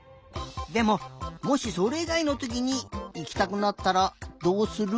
でももしそれいがいのときにいきたくなったらどうする？